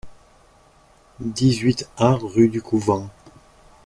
dix-huit A rUE DU COUVENT